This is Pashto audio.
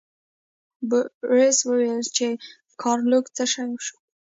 بوریس وویل چې ګارلوک څه شو.